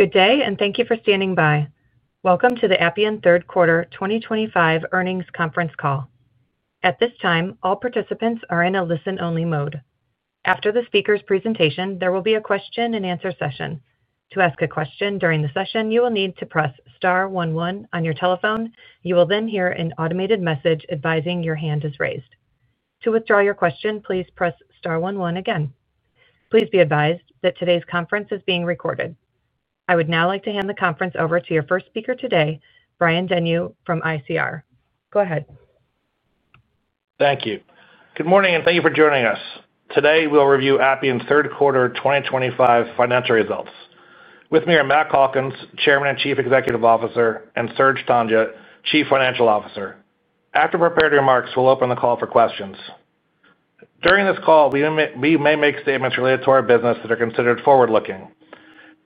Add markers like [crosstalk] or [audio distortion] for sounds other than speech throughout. Good day, and thank you for standing by. Welcome to the Appian Third Quarter 2025 Earnings Conference Call. At this time, all participants are in a listen-only mode. After the speaker's presentation, there will be a question-and-answer session. To ask a question during the session, you will need to press star one one on your telephone. You will then hear an automated message advising your hand is raised. To withdraw your question, please press star one one again. Please be advised that today's conference is being recorded. I would now like to hand the conference over to your first speaker today, Brian Denyeau from ICR. Go ahead. Thank you. Good morning, and thank you for joining us. Today, we'll review Appian Third Quarter 2025 Financial Results. With me are Matt Calkins, Chairman and Chief Executive Officer, and Serge Tanjga, Chief Financial Officer. After prepared remarks, we'll open the call for questions. During this call, we may make statements related to our business that are considered forward-looking.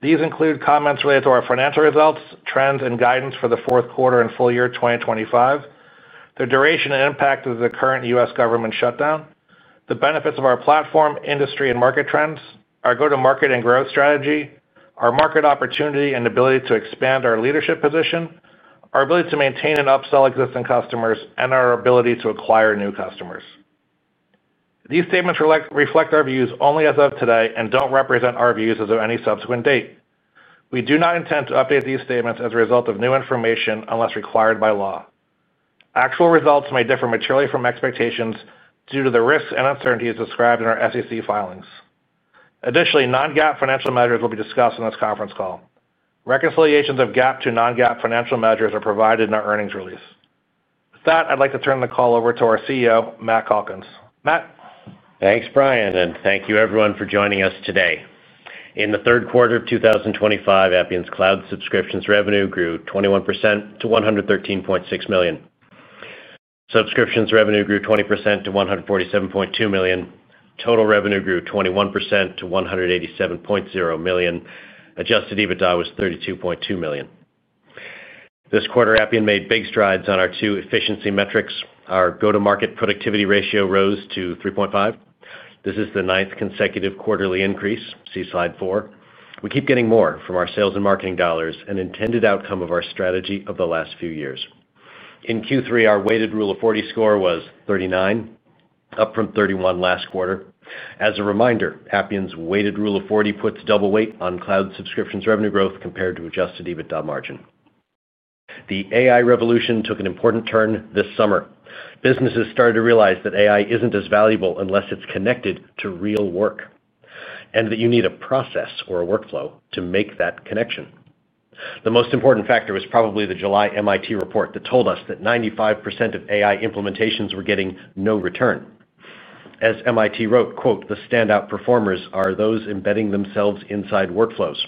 These include comments related to our financial results, trends, and guidance for the fourth quarter and full year 2025. The duration and impact of the current U.S. government shutdown, the benefits of our platform, industry, and market trends, our go-to-market and growth strategy, our market opportunity and ability to expand our leadership position. Our ability to maintain and upsell existing customers, and our ability to acquire new customers. These statements reflect our views only as of today and do not represent our views as of any subsequent date. We do not intend to update these statements as a result of new information unless required by law. Actual results may differ materially from expectations due to the risks and uncertainties described in our SEC filings. Additionally, non-GAAP financial measures will be discussed in this conference call. Reconciliations of GAAP to non-GAAP financial measures are provided in our earnings release. With that, I'd like to turn the call over to our CEO, Matt Calkins. Matt. Thanks, Brian, and thank you, everyone, for joining us today. In the third quarter of 2025, Appian's cloud subscriptions revenue grew 21% to $113.6 million. Subscriptions revenue grew 20% to $147.2 million. Total revenue grew 21% to $187.0 million. Adjusted EBITDA was $32.2 million. This quarter, Appian made big strides on our two efficiency metrics. Our go-to-market productivity ratio rose to 3.5. This is the ninth consecutive quarterly increase. See slide four. We keep getting more from our sales and marketing dollars, an intended outcome of our strategy of the last few years. In Q3, our weighted rule of 40 score was 39, up from 31 last quarter. As a reminder, Appian's weighted rule of 40 puts double weight on cloud subscriptions revenue growth compared to adjusted EBITDA margin. The AI revolution took an important turn this summer. Businesses started to realize that AI isn't as valuable unless it's connected to real work. You need a process or a workflow to make that connection. The most important factor was probably the July MIT report that told us that 95% of AI implementations were getting no return. As MIT wrote, "The standout performers are those embedding themselves inside workflows."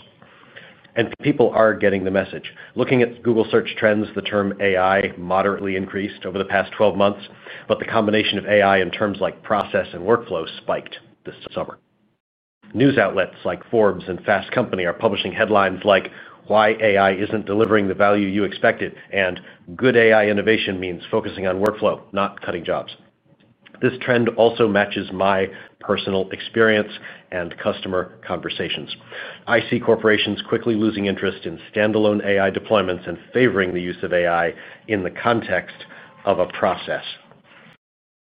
People are getting the message. Looking at Google search trends, the term AI moderately increased over the past 12 months, but the combination of AI and terms like process and workflow spiked this summer. News outlets like Forbes and Fast Company are publishing headlines like "Why AI Isn't Delivering the Value You Expected" and "Good AI Innovation Means Focusing on Workflow, Not Cutting Jobs." This trend also matches my personal experience and customer conversations. I see corporations quickly losing interest in standalone AI deployments and favoring the use of AI in the context of a process.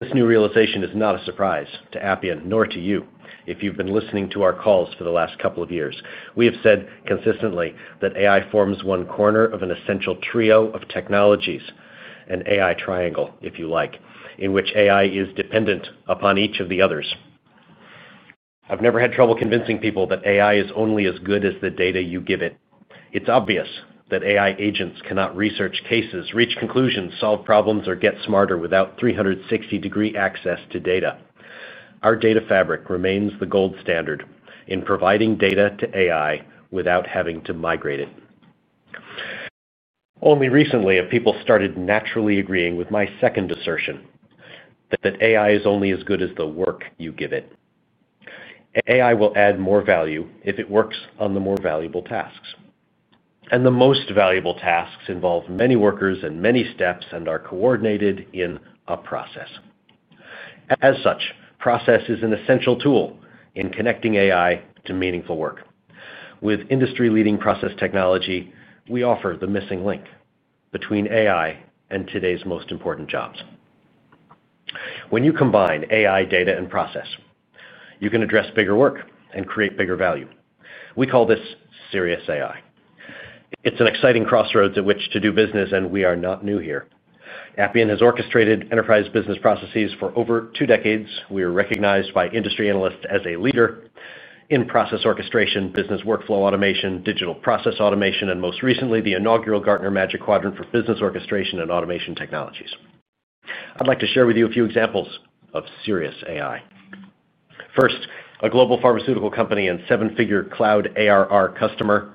This new realization is not a surprise to Appian, nor to you, if you've been listening to our calls for the last couple of years. We have said consistently that AI forms one corner of an essential trio of technologies, an AI triangle, if you like, in which AI is dependent upon each of the others. I've never had trouble convincing people that AI is only as good as the data you give it. It's obvious that AI agents cannot research cases, reach conclusions, solve problems, or get smarter without 360-degree access to data. Our Data Fabric remains the gold standard in providing data to AI without having to migrate it. Only recently, people started naturally agreeing with my second assertion, that AI is only as good as the work you give it. AI will add more value if it works on the more valuable tasks. The most valuable tasks involve many workers and many steps and are coordinated in a process. As such, process is an essential tool in connecting AI to meaningful work. With industry-leading process technology, we offer the missing link between AI and today's most important jobs. When you combine AI, data, and process, you can address bigger work and create bigger value. We call this serious AI. It's an exciting crossroads at which to do business, and we are not new here. Appian has orchestrated enterprise business processes for over two decades. We are recognized by industry analysts as a leader in process orchestration, business workflow automation, digital process automation, and most recently, the inaugural Gartner Magic Quadrant for business orchestration and automation technologies. I'd like to share with you a few examples of serious AI. First, a global pharmaceutical company and seven-figure cloud ARR customer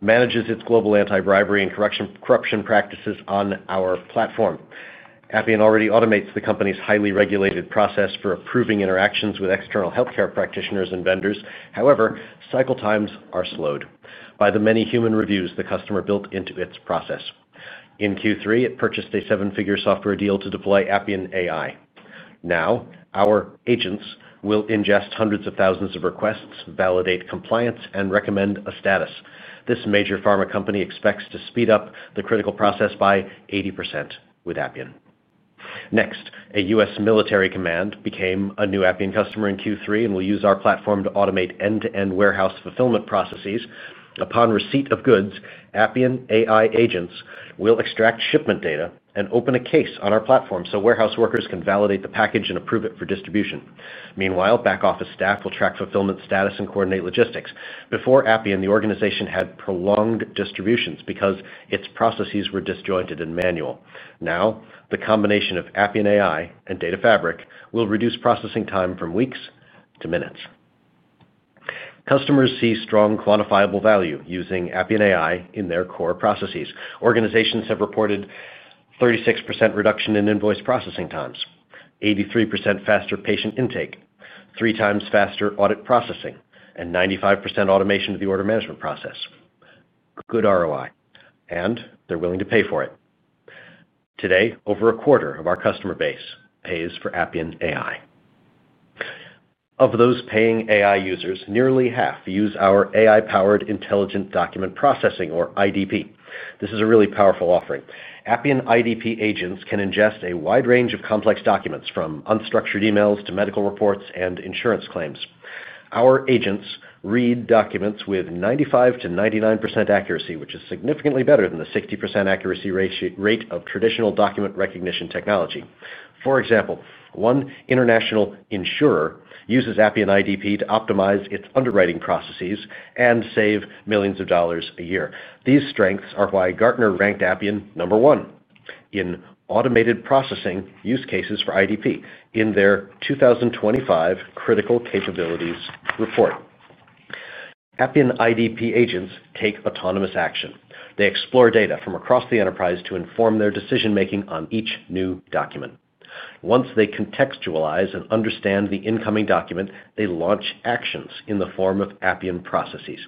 manages its global anti-bribery and corruption practices on our platform. Appian already automates the company's highly regulated process for approving interactions with external healthcare practitioners and vendors. However, cycle times are slowed by the many human reviews the customer built into its process. In Q3, it purchased a seven-figure software deal to deploy Appian AI. Now, our agents will ingest hundreds of thousands of requests, validate compliance, and recommend a status. This major pharma company expects to speed up the critical process by 80% with Appian. Next, a U.S. Military command became a new Appian customer in Q3 and will use our platform to automate end-to-end warehouse fulfillment processes. Upon receipt of goods, Appian AI agents will extract shipment data and open a case on our platform so warehouse workers can validate the package and approve it for distribution. Meanwhile, back office staff will track fulfillment status and coordinate logistics. Before Appian, the organization had prolonged distributions because its processes were disjointed and manual. Now, the combination of Appian AI and Data Fabric will reduce processing time from weeks to minutes. Customers see strong quantifiable value using Appian AI in their core processes. Organizations have reported 36% reduction in invoice processing times, 83% faster patient intake, 3x faster audit processing, and 95% automation of the order management process. Good ROI, and they're willing to pay for it. Today, over a quarter of our customer base pays for Appian AI. Of those paying AI users, nearly half use our AI-powered intelligent document processing, or IDP. This is a really powerful offering. Appian IDP agents can ingest a wide range of complex documents, from unstructured emails to medical reports and insurance claims. Our agents read documents with 95%-99% accuracy, which is significantly better than the 60% accuracy rate of traditional document recognition technology. For example, one international insurer uses Appian IDP to optimize its underwriting processes and save millions of dollars a year. These strengths are why Gartner ranked Appian number one in automated processing use cases for IDP in their 2025 Critical Capabilities report. Appian IDP agents take autonomous action. They explore data from across the enterprise to inform their decision-making on each new document. Once they contextualize and understand the incoming document, they launch actions in the form of Appian processes.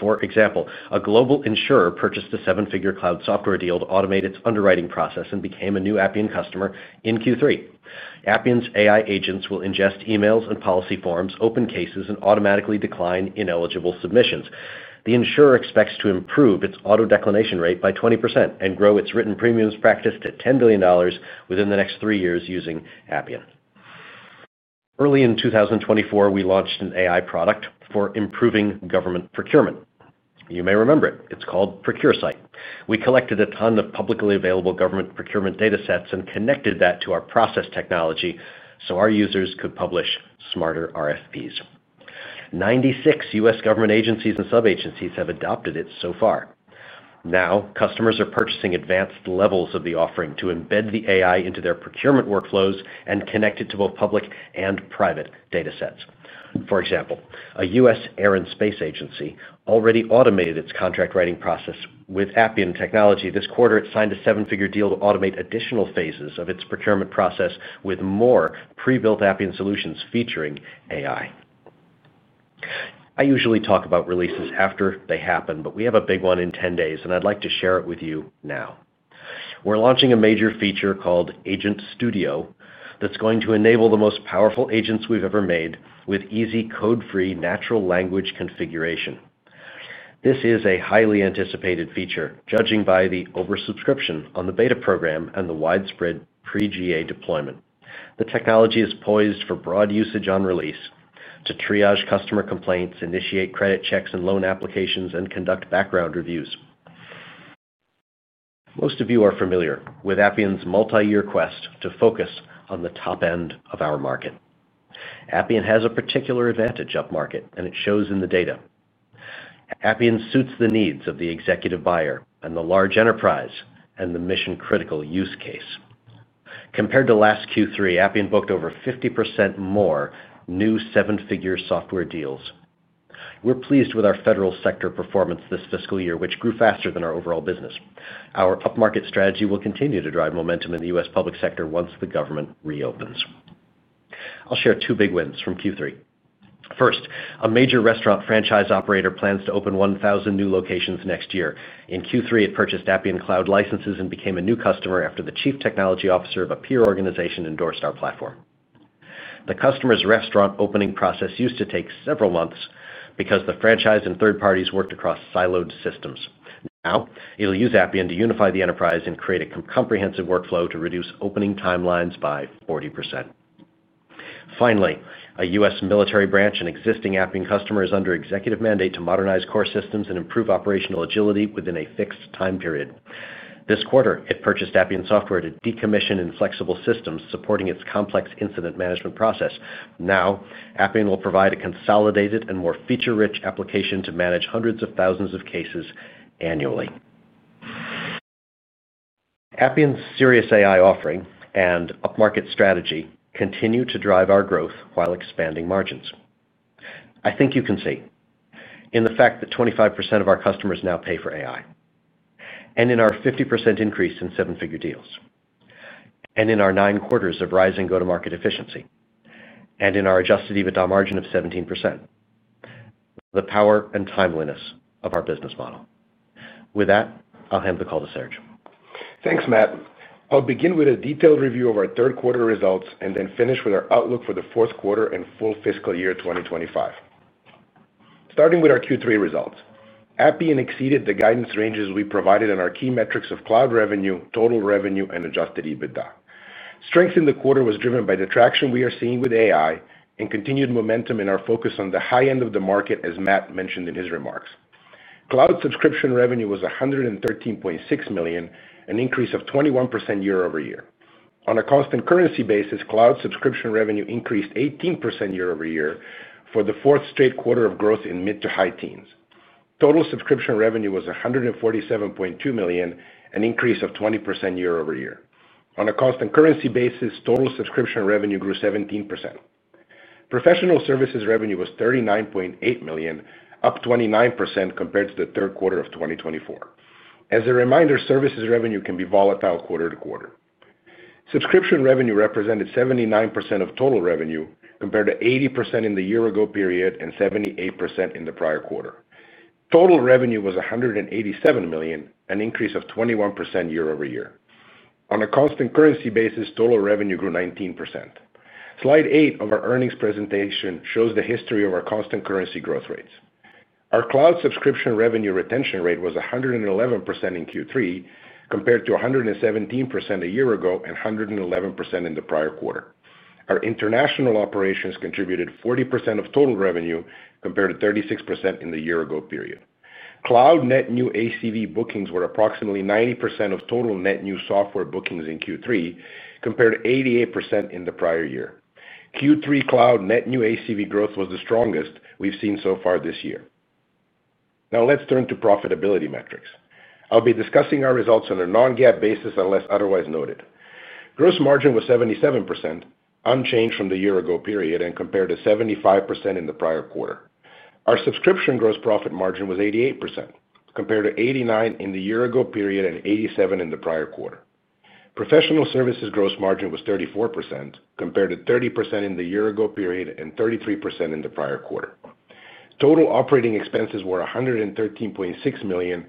For example, a global insurer purchased a seven-figure cloud software deal to automate its underwriting process and became a new Appian customer in Q3. Appian's AI agents will ingest emails and policy forms, open cases, and automatically decline ineligible submissions. The insurer expects to improve its auto-declination rate by 20% and grow its written premiums practice to $10 billion within the next three years using Appian. Early in 2024, we launched an AI product for improving government procurement. You may remember it. It's called ProcureSight. We collected a ton of publicly available government procurement data sets and connected that to our process technology so our users could publish smarter RFPs. 96 U.S. government agencies and sub-agencies have adopted it so far. Now, customers are purchasing advanced levels of the offering to embed the AI into their procurement workflows and connect it to both public and private data sets. For example, a U.S. Air and Space Agency already automated its contract writing process with Appian technology. This quarter, it signed a seven-figure deal to automate additional phases of its procurement process with more pre-built Appian solutions featuring AI. I usually talk about releases after they happen, but we have a big one in 10 days, and I'd like to share it with you now. We're launching a major feature called Agent Studio that's going to enable the most powerful agents we've ever made with easy, code-free, natural language configuration. This is a highly anticipated feature, judging by the oversubscription on the beta program and the widespread pre-GA deployment. The technology is poised for broad usage on release to triage customer complaints, initiate credit checks and loan applications, and conduct background reviews. Most of you are familiar with Appian's multi-year quest to focus on the top end of our market. Appian has a particular advantage up market, and it shows in the data. Appian suits the needs of the executive buyer and the large enterprise and the mission-critical use case. Compared to last Q3, Appian booked over 50% more new seven-figure software deals. We're pleased with our federal sector performance this fiscal year, which grew faster than our overall business. Our up-market strategy will continue to drive momentum in the U.S. public sector once the government reopens. I'll share two big wins from Q3. First, a major restaurant franchise operator plans to open 1,000 new locations next year. In Q3, it purchased Appian Cloud licenses and became a new customer after the Chief Technology Officer of a peer organization endorsed our platform. The customer's restaurant opening process used to take several months because the franchise and third parties worked across siloed systems. Now, it'll use Appian to unify the enterprise and create a comprehensive workflow to reduce opening timelines by 40%. Finally, a U.S. military branch and existing Appian customer is under executive mandate to modernize core systems and improve operational agility within a fixed time period. This quarter, it purchased Appian software to decommission inflexible systems supporting its complex incident management process. Now, Appian will provide a consolidated and more feature-rich application to manage hundreds of thousands of cases annually. Appian's serious AI offering and up-market strategy continue to drive our growth while expanding margins. I think you can see in the fact that 25% of our customers now pay for AI. In our 50% increase in seven-figure deals. In our nine quarters of rising go-to-market efficiency. In our adjusted EBITDA margin of 17%. The power and timeliness of our business model. With that, I'll hand the call to Serge. Thanks, Matt. I'll begin with a detailed review of our third-quarter results and then finish with our outlook for the fourth quarter and full fiscal year 2025. Starting with our Q3 results, Appian exceeded the guidance ranges we provided in our key metrics of cloud revenue, total revenue, and adjusted EBITDA. Strength in the quarter was driven by the traction we are seeing with AI and continued momentum in our focus on the high end of the market, as Matt mentioned in his remarks. Cloud subscription revenue was $113.6 million, an increase of 21% year-over-year. On a cost and currency basis, cloud subscription revenue increased 18% year-over-year for the fourth straight quarter of growth in mid to high teens. Total subscription revenue was $147.2 million, an increase of 20% year-over-year. On a cost and currency basis, total subscription revenue grew 17%. Professional services revenue was $39.8 million, up 29% compared to the third quarter of 2024. As a reminder, services revenue can be volatile quarter to quarter. Subscription revenue represented 79% of total revenue compared to 80% in the year-ago period and 78% in the prior quarter. Total revenue was $187 million, an increase of 21% year-over-year. On a cost and currency basis, total revenue grew 19%. Slide 8 of our earnings presentation shows the history of our cost and currency growth rates. Our cloud subscription revenue retention rate was 111% in Q3 compared to 117% a year ago and 111% in the prior quarter. Our international operations contributed 40% of total revenue compared to 36% in the year-ago period. Cloud net new ACV bookings were approximately 90% of total net new software bookings in Q3 compared to 88% in the prior year. Q3 cloud net new ACV growth was the strongest we've seen so far this year. Now, let's turn to profitability metrics. I'll be discussing our results on a non-GAAP basis unless otherwise noted. Gross margin was 77%, unchanged from the year-ago period, and compared to 75% in the prior quarter. Our subscription gross profit margin was 88% compared to 89% in the year-ago period and 87% in the prior quarter. Professional services gross margin was 34% compared to 30% in the year-ago period and 33% in the prior quarter. Total operating expenses were $113.6 million,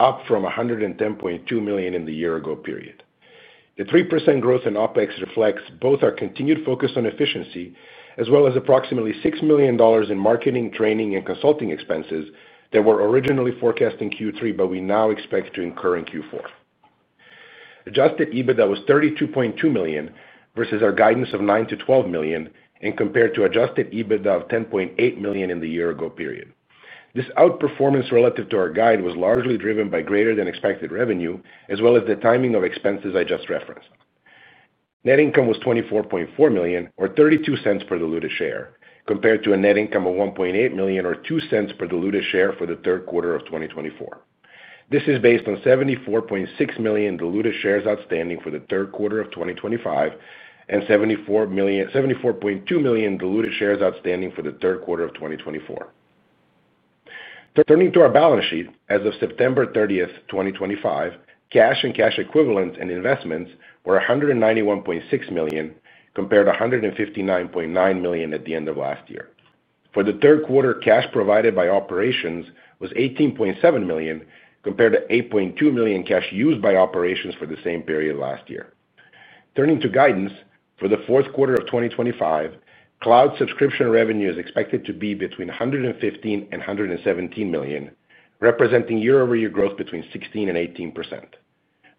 up from $110.2 million in the year-ago period. The 3% growth in OpEx reflects both our continued focus on efficiency as well as approximately $6 million in marketing, training, and consulting expenses that were originally forecast in Q3, but we now expect to incur in Q4. Adjusted EBITDA was $32.2 million versus our guidance of $9-$12 million compared to adjusted EBITDA of $10.8 million in the year-ago period. This outperformance relative to our guide was largely driven by greater-than-expected revenue, as well as the timing of expenses I just referenced. Net income was $24.4 million, or $0.32 per diluted share, compared to a net income of $1.8 million, or $0.02 per diluted share for the third quarter of 2024. This is based on 74.6 million diluted shares outstanding for the third quarter of 2025 and 74. 2 million diluted shares outstanding for the third quarter of 2024. Turning to our balance sheet, as of September 30th, 2025, cash and cash equivalents and investments were $191.6 million compared to $159.9 million at the end of last year. For the third quarter, cash provided by operations was $18.7 million compared to $8.2 million cash used by operations for the same period last year. Turning to guidance, for the fourth quarter of 2025, cloud subscription revenue is expected to be between $115 million and $117 million, representing year-over-year growth between 16% and 18%.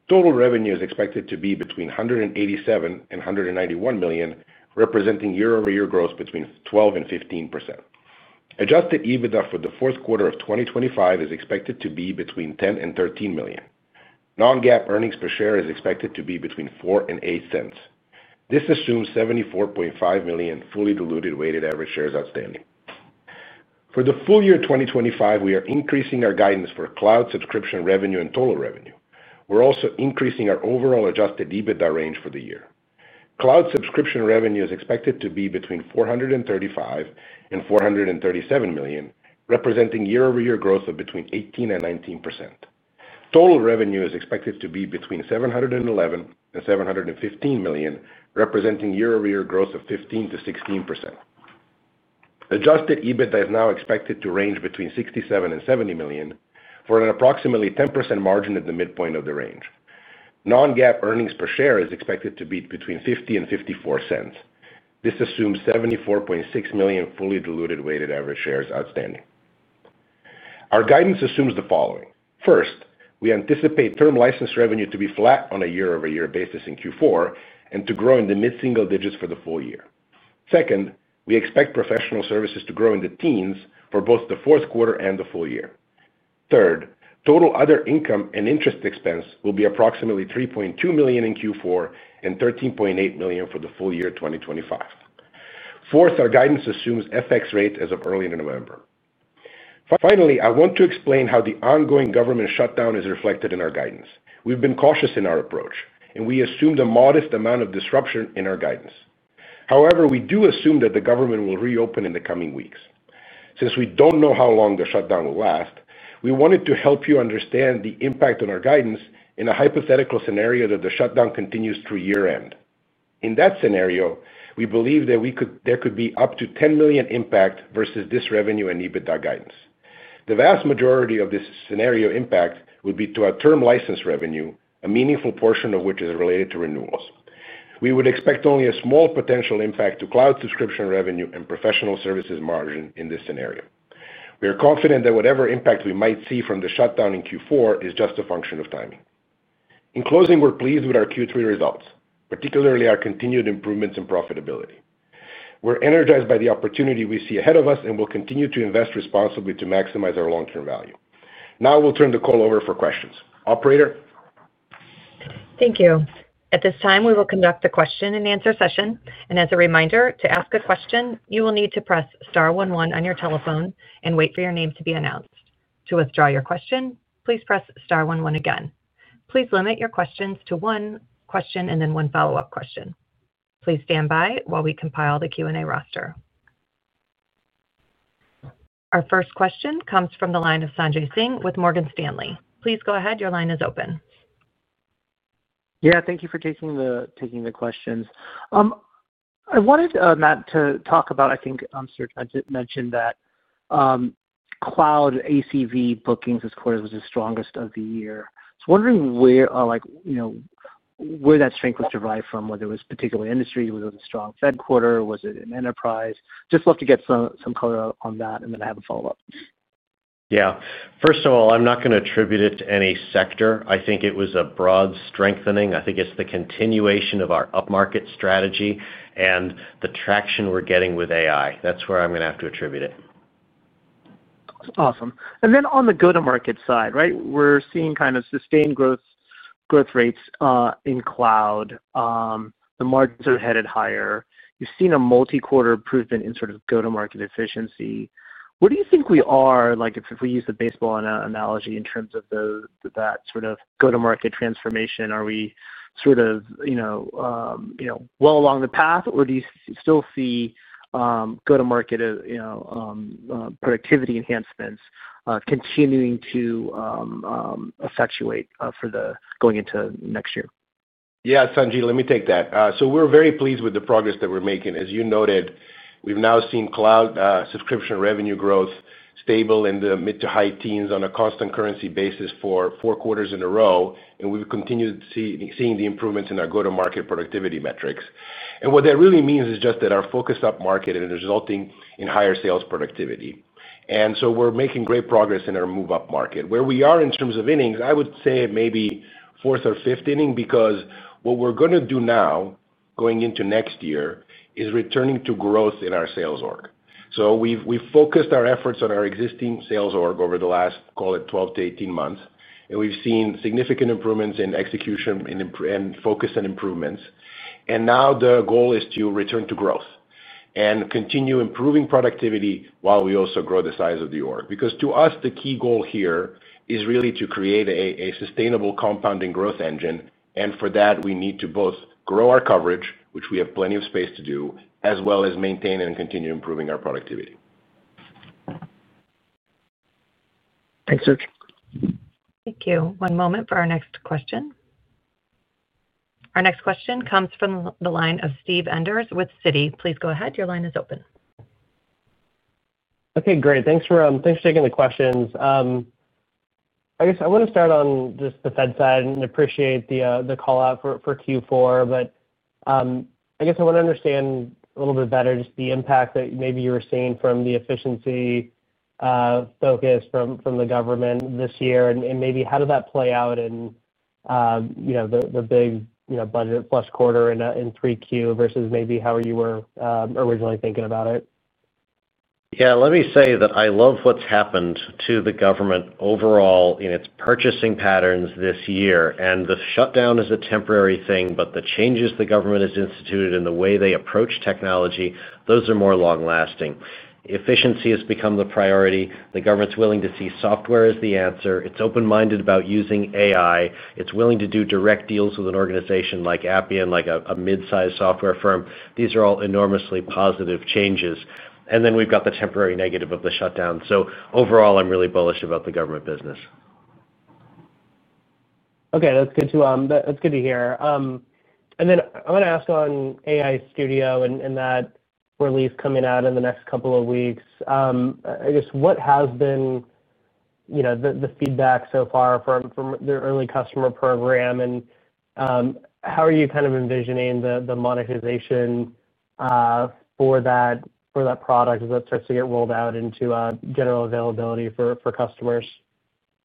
Total revenue is expected to be between $187 million and $191 million, representing year-over-year growth between 12% and 15%. Adjusted EBITDA for the fourth quarter of 2025 is expected to be between $10 million and $13 million. Non-GAAP earnings per share is expected to be between $0.04 and $0.08. This assumes 74.5 million fully diluted weighted average shares outstanding. For the full year 2025, we are increasing our guidance for cloud subscription revenue and total revenue. We're also increasing our overall adjusted EBITDA range for the year. Cloud subscription revenue is expected to be between $435 million and $437 million, representing year-over-year growth of between 18% and 19%. Total revenue is expected to be between $711 million and $715 million, representing year-over-year growth of 15%-16%. Adjusted EBITDA is now expected to range between $67 million and $70 million for an approximately 10% margin at the midpoint of the range. Non-GAAP earnings per share is expected to be between $0.50 and $0.54. This assumes 74.6 million fully diluted weighted average shares outstanding. Our guidance assumes the following. First, we anticipate term license revenue to be flat on a year-over-year basis in Q4 and to grow in the mid-single digits for the full year. Second, we expect professional services to grow in the teens for both the fourth quarter and the full year. Third, total other income and interest expense will be approximately $3.2 million in Q4 and $13.8 million for the full year 2025. Fourth, our guidance assumes FX rate as of early in November. Finally, I want to explain how the ongoing government shutdown is reflected in our guidance. We've been cautious in our approach, and we assume the modest amount of disruption in our guidance. However, we do assume that the government will reopen in the coming weeks. Since we do not know how long the shutdown will last, we wanted to help you understand the impact on our guidance in a hypothetical scenario that the shutdown continues through year-end. In that scenario, we believe that there could be up to $10 million impact versus this revenue and EBITDA guidance. The vast majority of this scenario impact would be to our term license revenue, a meaningful portion of which is related to renewals. We would expect only a small potential impact to cloud subscription revenue and professional services margin in this scenario. We are confident that whatever impact we might see from the shutdown in Q4 is just a function of timing. In closing, we are pleased with our Q3 results, particularly our continued improvements in profitability. We are energized by the opportunity we see ahead of us and will continue to invest responsibly to maximize our long-term value. Now, we'll turn the call over for questions. Operator. Thank you. At this time, we will conduct the question and answer session. As a reminder, to ask a question, you will need to press star one one on your telephone and wait for your name to be announced. To withdraw your question, please press star one one again. Please limit your questions to one question and then one follow-up question. Please stand by while we compile the Q&A roster. Our first question comes from the line of Sanjit Singh with Morgan Stanley. Please go ahead. Your line is open. Yeah, thank you for taking the questions. I wanted, Matt, to talk about, I think Serge mentioned that cloud ACV bookings this quarter was the strongest of the year. I was wondering where. That strength was derived from, whether it was particular industries, was it a strong Fed quarter, was it an enterprise? Just love to get some color on that, and then I have a follow-up. Yeah. First of all, I'm not going to attribute it to any sector. I think it was a broad strengthening. I think it's the continuation of our up-market strategy and the traction we're getting with AI. That's where I'm going to have to attribute it. Awesome. Then on the go-to-market side, right, we're seeing kind of sustained growth rates in cloud. The margins are headed higher. You've seen a multi-quarter improvement in sort of go-to-market efficiency. Where do you think we are, if we use the baseball analogy in terms of that sort of go-to-market transformation? Are we sort of well along the path, or do you still see go-to-market productivity enhancements continuing to. Effectuate for the going into next year? Yeah, Sanjay, let me take that. We are very pleased with the progress that we are making. As you noted, we have now seen cloud subscription revenue growth stable in the mid to high teens on a cost and currency basis for four quarters in a row, and we have continued seeing the improvements in our go-to-market productivity metrics. What that really means is just that our focus up market and resulting in higher sales productivity. We are making great progress in our move-up market. Where we are in terms of innings, I would say maybe fourth or fifth inning because what we are going to do now going into next year is returning to growth in our sales org. We've focused our efforts on our existing sales org over the last, call it, 12 to 18 months, and we've seen significant improvements in execution and focus on improvements. Now the goal is to return to growth and continue improving productivity while we also grow the size of the org. Because to us, the key goal here is really to create a sustainable compounding growth engine, and for that, we need to both grow our coverage, which we have plenty of space to do, as well as maintain and continue improving our productivity. Thanks, Serge. Thank you. One moment for our next question. Our next question comes from the line of Steve Enders with Citi. Please go ahead. Your line is open. Okay, great. Thanks for taking the questions. I guess I want to start on just the Fed side. Appreciate the call-out for Q4, but. I guess I want to understand a little bit better just the impact that maybe you were seeing from the efficiency focus from the government this year, and maybe how did that play out in the big budget plus quarter in 3Q versus maybe how you were originally thinking about it. Yeah, let me say that I love what's happened to the government overall in its purchasing patterns this year. The shutdown is a temporary thing, but the changes the government has instituted in the way they approach technology, those are more long-lasting. Efficiency has become the priority. The government's willing to see software as the answer. It's open-minded about using AI. It's willing to do direct deals with an organization like Appian, like a mid-sized software firm. These are all enormously positive changes. Then we've got the temporary negative of the shutdown. Overall, I'm really bullish about the government business. Okay, that's good to hear. I want to ask on AI Studio and that release coming out in the next couple of weeks. I guess what has been the feedback so far from the early customer program? How are you kind of envisioning the monetization for that product as it starts to get rolled out into general availability for customers?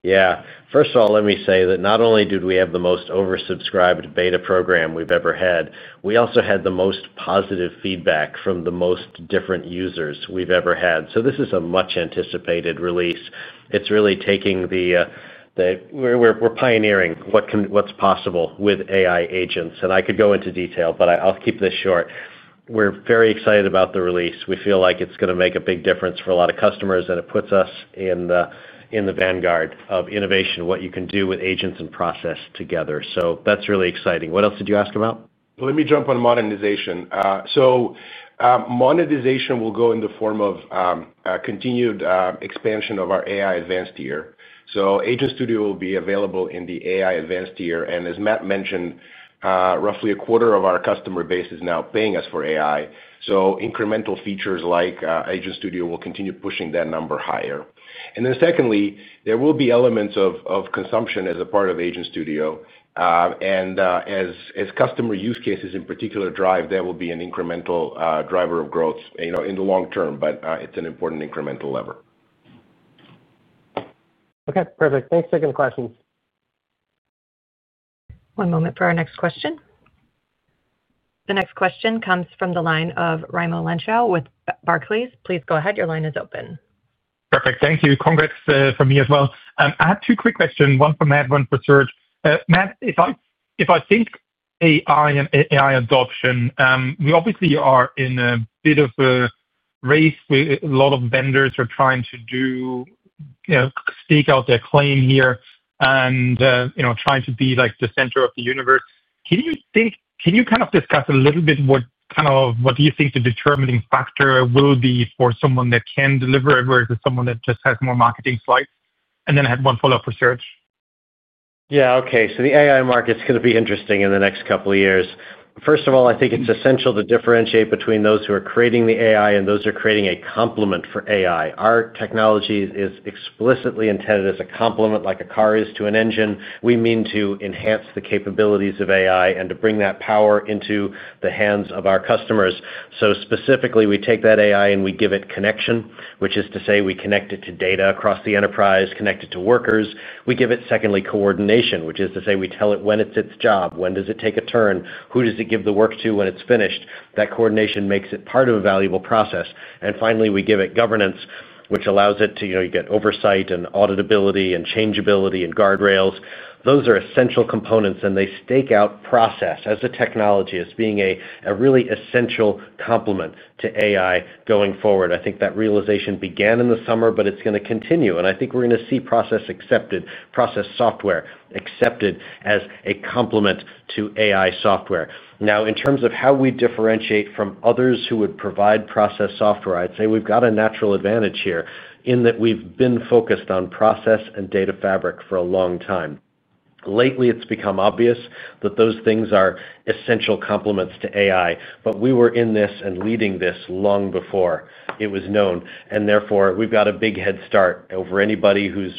Yeah. First of all, let me say that not only did we have the most oversubscribed beta program we've ever had, we also had the most positive feedback from the most different users we've ever had. This is a much-anticipated release. It's really taking the— We're pioneering what's possible with AI agents. I could go into detail, but I'll keep this short. We're very excited about the release. We feel like it's going to make a big difference for a lot of customers, and it puts us in the vanguard of innovation, what you can do with agents and process together. That's really exciting. What else did you ask about? Let me jump on monetization. Monetization will go in the form of continued expansion of our AI advanced tier. Agent Studio will be available in the AI advanced tier. As Matt mentioned, roughly a quarter of our customer base is now paying us for AI. Incremental features like Agent Studio will continue pushing that number higher. Secondly, there will be elements of consumption as a part of Agent Studio, and as customer use cases in particular drive, there will be an incremental driver of growth in the long term, but it's an important incremental lever. Okay, perfect. Thanks for taking the questions. One moment for our next question. The next question comes from the line of Raimo Lenschow with Barclays. Please go ahead. Your line is open. Perfect. Thank you. Congrats from me as well. I have two quick questions, one for Matt, one for Serge. Matt, if I think AI and AI adoption, we obviously are in a bit of a race where a lot of vendors are trying to stake out their claim here and trying to be the center of the universe. Can you kind of discuss a little bit what you think the determining factor will be for someone that can deliver it versus someone that just has more marketing slides? And then I had one follow-up for Serge. Yeah, okay. So the AI market's going to be interesting in the next couple of years. First of all, I think it's essential to differentiate between those who are creating the AI and those who are creating a complement for AI. Our technology is explicitly intended as a complement, like a car is to an engine. We mean to enhance the capabilities of AI and to bring that power into the hands of our customers. Specifically, we take that AI and we give it connection, which is to say we connect it to data across the enterprise, connect it to workers. We give it, secondly, coordination, which is to say we tell it when it's its job, when does it take a turn, who does it give the work to when it's finished. That coordination makes it part of a valuable process. Finally, we give it governance, which allows it to get oversight and auditability and changeability and guardrails. Those are essential components, and they stake out process as a technology as being a really essential complement to AI going forward. I think that realization began in the summer, but it's going to continue. I think we're going to see process software accepted as a complement to AI software. Now, in terms of how we differentiate from others who would provide process software, I'd say we've got a natural advantage here in that we've been focused on process and Data Fabric for a long time. Lately, it's become obvious that those things are essential complements to AI, but we were in this and leading this long before it was known. Therefore, we've got a big head start over anybody who's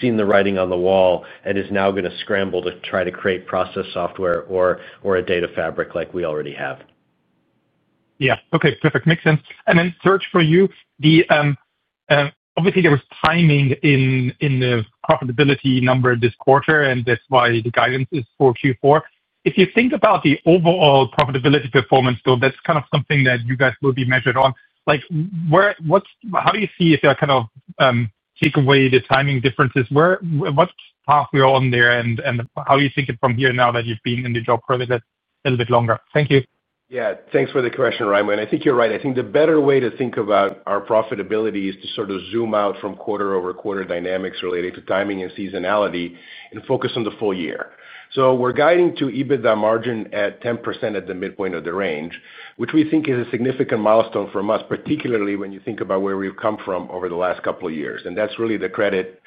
seen the writing on the wall and is now going to scramble to try to create process software or a Data Fabric like we already have. Yeah. Okay. Perfect. Makes sense. And then, Serge, for you, obviously, there was timing in the profitability number this quarter, and that's why the guidance is for Q4. If you think about the overall profitability performance, though, that's kind of something that you guys will be measured on. How do you see if you kind of take away the timing differences? What path we are on there and how do you think it from here now that you've been in the job probably a little bit longer? Thank you. Yeah. Thanks for the question, Raimo. I think you're right. I think the better way to think about our profitability is to sort of zoom out from quarter-over-quarter dynamics related to timing and seasonality and focus on the full year. We're guiding to EBITDA margin at 10% at the midpoint of the range, which we think is a significant milestone for us, particularly when you think about where we've come from over the last couple of years. That's really the credit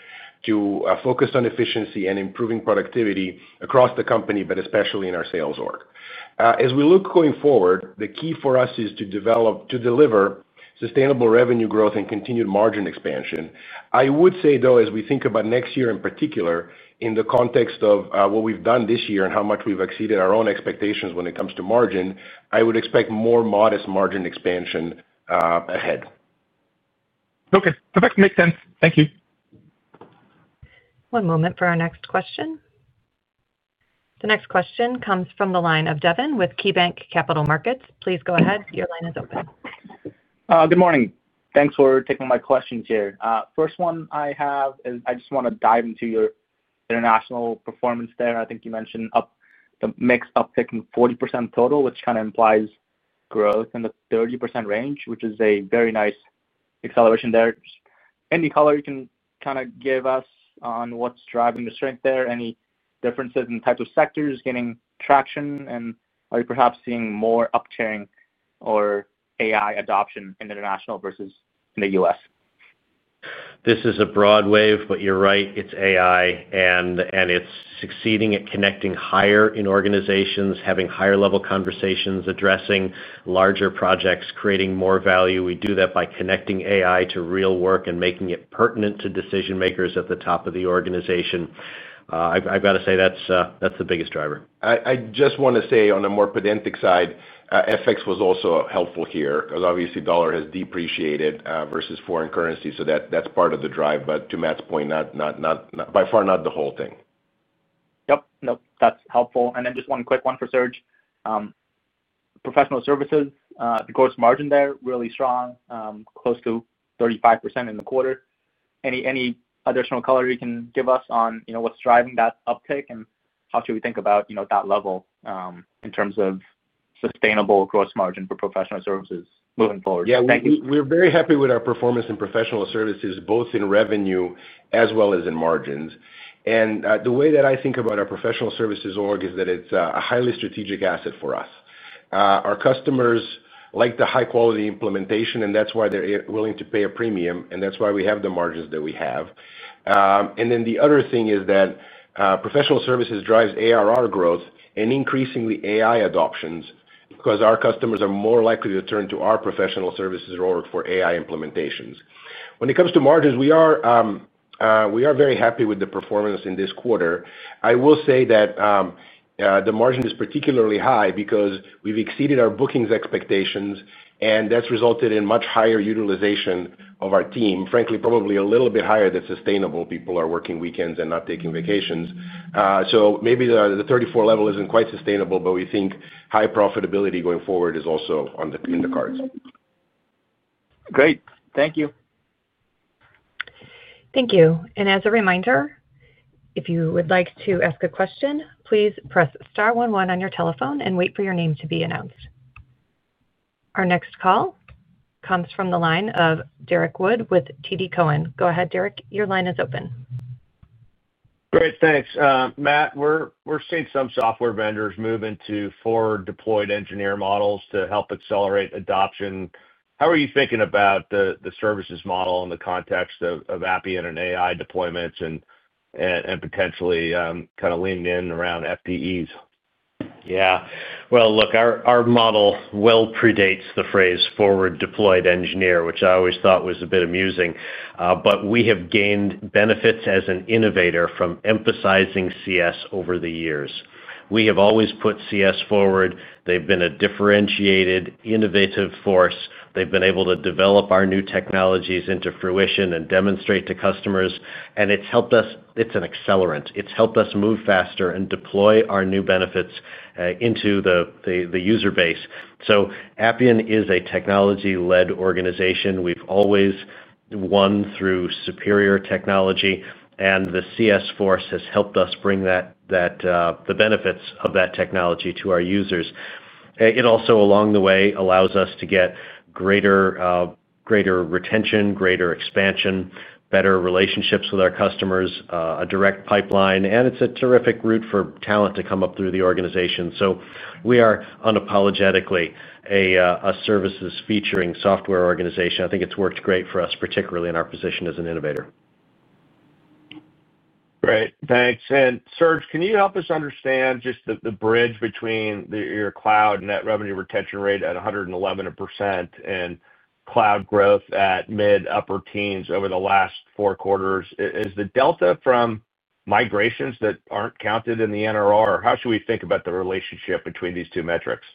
to focus on efficiency and improving productivity across the company, but especially in our sales org. As we look going forward, the key for us is to deliver sustainable revenue growth and continued margin expansion. I would say, though, as we think about next year in particular, in the context of what we've done this year and how much we've exceeded our own expectations when it comes to margin, I would expect more modest margin expansion ahead. Okay. Perfect. Makes sense. Thank you. One moment for our next question. The next question comes from the line of Devin with KeyBanc Capital Markets. Please go ahead. Your line is open. Good morning. Thanks for taking my questions here. First one I have is I just want to dive into your international performance there. I think you mentioned the mixed uptick in 40% total, which kind of implies growth in the 30% range, which is a very nice acceleration there. Any color you can kind of give us on what's driving the strength there? Any differences in the type of sectors getting traction? Are you perhaps seeing more upturning or AI adoption in international versus in the U.S.? This is a broad wave, but you're right. It's AI, and it's succeeding at connecting higher in organizations, having higher-level conversations, addressing larger projects, creating more value. We do that by connecting AI to real work and making it pertinent to decision-makers at the top of the organization. I've got to say that's the biggest driver. I just want to say on a more pedantic side, FX was also helpful here because obviously dollar has depreciated versus foreign currency. So that's part of the drive. To Matt's point, by far not the whole thing. Yep. Nope. That's helpful. And then just one quick one for Serge. Professional services, the gross margin there really strong, close to 35% in the quarter. Any additional color you can give us on what's driving that uptick and how should we think about that level in terms of sustainable gross margin for professional services moving forward? Yeah. We're very happy with our performance in professional services, both in revenue as well as in margins. The way that I think about our professional services org is that it's a highly strategic asset for us. Our customers like the high-quality implementation, and that's why they're willing to pay a premium, and that's why we have the margins that we have. The other thing is that professional services drives ARR growth and increasingly AI adoptions because our customers are more likely to turn to our professional services org for AI implementations. When it comes to margins, we are very happy with the performance in this quarter. I will say that the margin is particularly high because we've exceeded our bookings expectations, and that's resulted in much higher utilization of our team. Frankly, probably a little bit higher than sustainable. People are working weekends and not taking vacations. Maybe the 34% level isn't quite sustainable, but we think high profitability going forward is also on the cards. Great. Thank you. Thank you. As a reminder, if you would like to ask a question, please press star one one on your telephone and wait for your name to be announced. Our next call comes from the line of Derrick Wood with TD Cowen. Go ahead, Derrick. Your line is open. Great. Thanks. Matt, we're seeing some software vendors moving to forward-deployed engineer models to help accelerate adoption. How are you thinking about the services model in the context of Appian and AI deployments and potentially kind of leaning in around FTEs? Yeah. Our model well predates the phrase forward-deployed engineer, which I always thought was a bit amusing. We have gained benefits as an innovator from emphasizing CS over the years. We have always put CS forward. They've been a differentiated innovative force. They've been able to develop our new technologies into fruition and demonstrate to customers. It's helped us. It's an accelerant. It's helped us move faster and deploy our new benefits into the user base. Appian is a technology-led organization. We've always won through superior technology, and the CS force has helped us bring the benefits of that technology to our users. It also, along the way, allows us to get greater retention, greater expansion, better relationships with our customers, a direct pipeline, and it's a terrific route for talent to come up through the organization. We are unapologetically a services-featuring software organization. I think it's worked great for us, particularly in our position as an innovator. Great. Thanks. Serge, can you help us understand just the bridge between your cloud net revenue retention rate at 111% and cloud growth at mid-upper teens over the last four quarters? Is the delta from migrations that aren't counted in the NRR? How should we think about the relationship between these two metrics?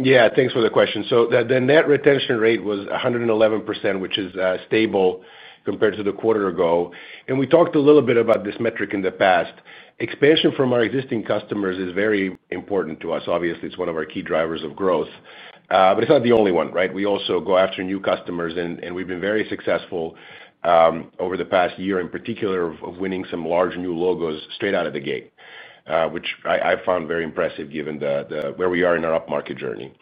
Yeah. Thanks for the question. The net retention rate was 111%, which is stable compared to the quarter ago. We talked a little bit about this metric in the past. Expansion from our existing customers is very important to us. Obviously, it's one of our key drivers of growth. It's not the only one, right? We also go after new customers, and we've been very successful. Over the past year, in particular, of winning some large new logos straight out of the gate, which I found very impressive given where we are in our upmarket journey.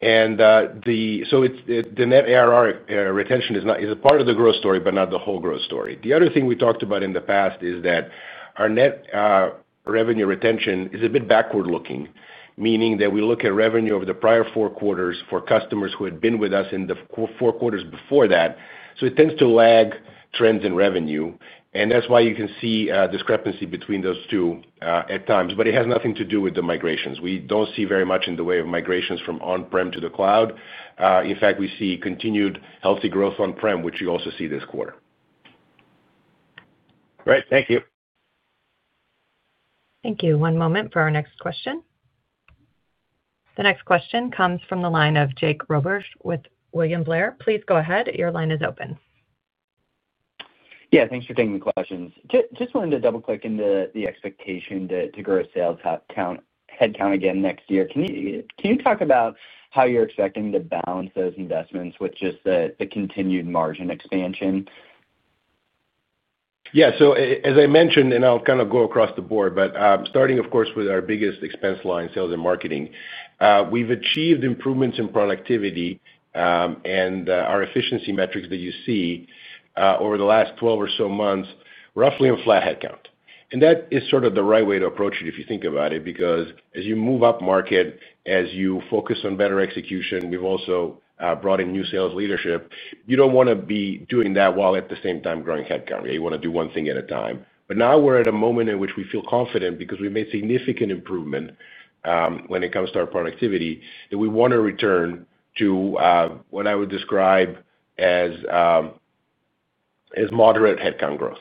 The net ARR retention is a part of the growth story, but not the whole growth story. The other thing we talked about in the past is that our net. Revenue retention is a bit backward-looking, meaning that we look at revenue over the prior four quarters for customers who had been with us in the four quarters before that. It tends to lag trends in revenue. That is why you can see a discrepancy between those two at times. It has nothing to do with the migrations. We do not see very much in the way of migrations from on-prem to the cloud. In fact, we see continued healthy growth on-prem, which you also see this quarter. Great. Thank you. Thank you. One moment for our next question. The next question comes from the line of Jake Roberge with William Blair. Please go ahead. Your line is open. Yeah. Thanks for taking the questions. Just wanted to double-click in the expectation to grow sales headcount again next year. Can you talk about how you're expecting to balance those investments with just the continued margin expansion? Yeah. As I mentioned, and I'll kind of go across the board, but starting, of course, with our biggest expense line, sales and marketing, we've achieved improvements in productivity. Our efficiency metrics that you see over the last 12 or so months, roughly in flat headcount. That is sort of the right way to approach it if you think about it because as you move up market, as you focus on better execution, we've also brought in new sales leadership. You don't want to be doing that while at the same time growing headcount. You want to do one thing at a time. Now we're at a moment in which we feel confident because we've made significant improvement. When it comes to our productivity, and we want to return to what I would describe as moderate headcount growth.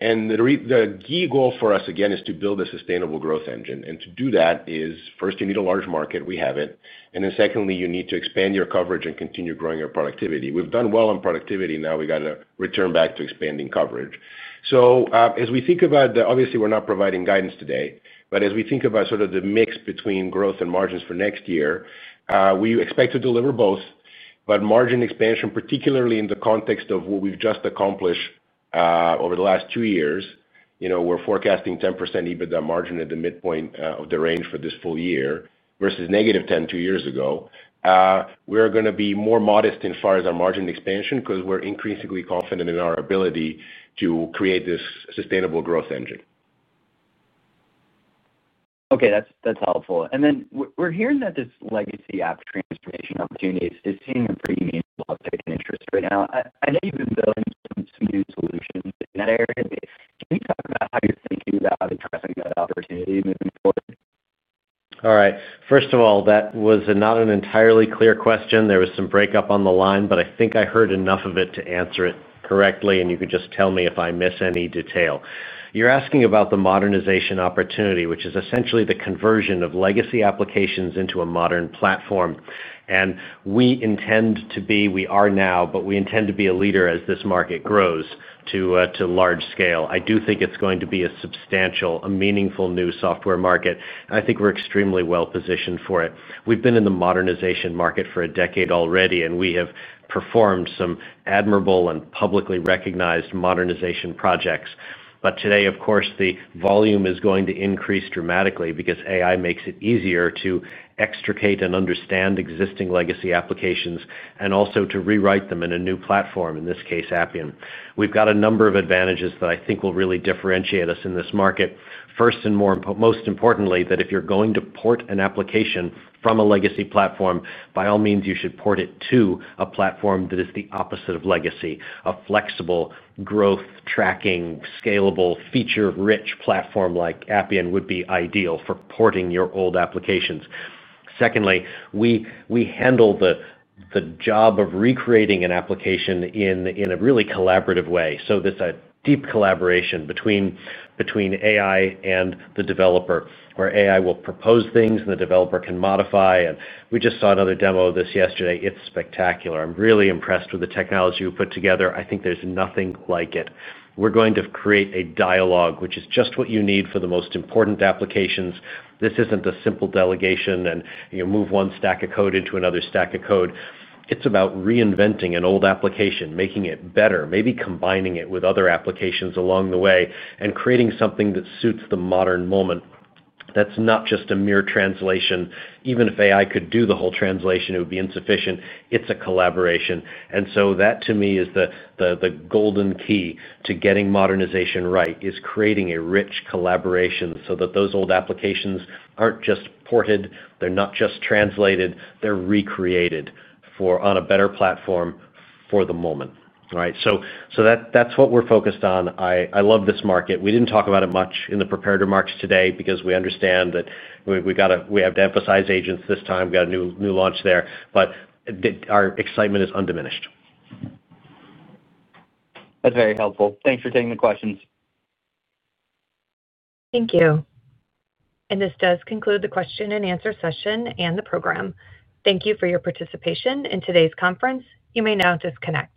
The key goal for us, again, is to build a sustainable growth engine. To do that, first, you need a large market. We have it. Secondly, you need to expand your coverage and continue growing your productivity. We've done well on productivity. Now we got to return back to expanding coverage. As we think about the—obviously, we're not providing guidance today—but as we think about sort of the mix between growth and margins for next year, we expect to deliver both. Margin expansion, particularly in the context of what we've just accomplished. Over the last two years, we're forecasting 10% EBITDA margin at the midpoint of the range for this full year versus -10% two years ago. We're going to be more modest in far as our margin expansion because we're increasingly confident in our ability to create this sustainable growth engine. Okay. That's helpful. Then we're hearing that this legacy app transformation opportunity is seeing a pretty meaningful [audio distortion] uptake in interest right now. I know you've been [audio distortion] building some new solutions in that area. [audio distortion] Can you talk about how you're thinking about addressing that opportunity moving forward? All right. First of all, that was not an entirely clear question. There was some breakup on the line, but I think I heard enough of it to answer it correctly, and you could just tell me if I miss any detail. You're asking about the modernization opportunity, which is essentially the conversion of legacy applications into a modern platform. We intend to be—we are now—but we intend to be a leader as this market grows to large scale. I do think it is going to be a substantial, a meaningful new software market. I think we are extremely well-positioned for it. We have been in the modernization market for a decade already, and we have performed some admirable and publicly recognized modernization projects. Today, of course, the volume is going to increase dramatically because AI makes it easier to extricate and understand existing legacy applications and also to rewrite them in a new platform, in this case, Appian. We have got a number of advantages that I think will really differentiate us in this market. First and most importantly, if you are going to port an application from a legacy platform, by all means, you should port it to a platform that is the opposite of legacy. A flexible, growth-tracking, scalable, feature-rich platform like Appian would be ideal for porting your old applications. Secondly, we handle the job of recreating an application in a really collaborative way. There is a deep collaboration between AI and the developer, where AI will propose things and the developer can modify. We just saw another demo of this yesterday. It is spectacular. I am really impressed with the technology we put together. I think there is nothing like it. We are going to create a dialogue, which is just what you need for the most important applications. This is not a simple delegation and move one stack of code into another stack of code. It is about reinventing an old application, making it better, maybe combining it with other applications along the way, and creating something that suits the modern moment. That is not just a mere translation. Even if AI could do the whole translation, it would be insufficient. It is a collaboration. That, to me, is the golden key to getting modernization right, is creating a rich collaboration so that those old applications are not just ported. They are not just translated. They are recreated. On a better platform for the moment. All right. That is what we are focused on. I love this market. We did not talk about it much in the preparatory remarks today because we understand that we have to emphasize agents this time. We got a new launch there. Our excitement is undiminished. That is very helpful. Thanks for taking the questions. Thank you. This does conclude the question and answer session and the program. Thank you for your participation in today's conference. You may now disconnect.